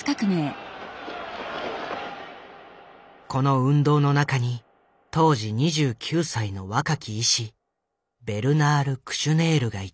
この運動の中に当時２９歳の若き医師ベルナール・クシュネールがいた。